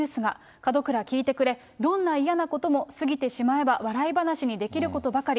門倉、聞いてくれ、どんな嫌なことも過ぎてしまえば笑い話にできることばかり。